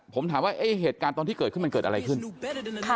ผมถามว่าเอ๊ะเหตุการณ์ตอนที่เกิดขึ้นมันเกิดอะไรขึ้น